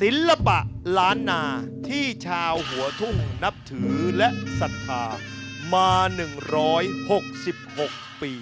ศิลปะล้านนาที่ชาวหัวทุ่งนับถือและศรัทธามา๑๖๖ปี